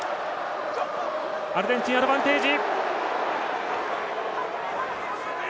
アルゼンチン、アドバンテージ。